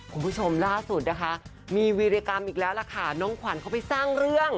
คุณผู้ชมล่าสุดนะคะมีวีรกรรมอีกแล้วล่ะค่ะน้องขวัญเขาไปสร้างเรื่อง